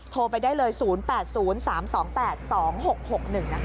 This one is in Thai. โทรไปได้เลย๐๘๐๓๒๘๒๖๖๑นะคะ